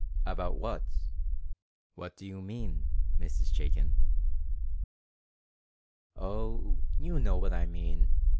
"About what? What do you mean, Mrs. Chaikin?" "Oh, you know what I mean.